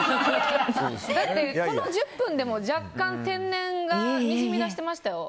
だってこの１０分でも若干天然がにじみ出してましたよ。